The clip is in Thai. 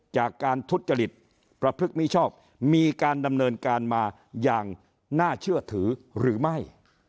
จากการทุจริตประพฤติมิชอบมีการดำเนินการมาอย่างน่าเชื่อถือหรือไม่